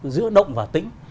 giữa động và tĩnh